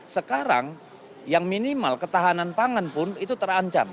sekarang yang minimal ketahanan pangan pun itu terancam